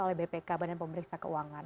oleh bpk badan pemeriksa keuangan